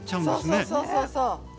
そうそうそうそうそう。